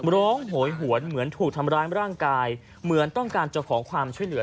โหยหวนเหมือนถูกทำร้ายร่างกายเหมือนต้องการจะขอความช่วยเหลือ